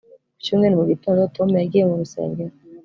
Ku cyumweru mu gitondo Tom yagiye mu rusengero